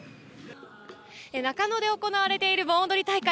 中野で行われている盆踊り大会。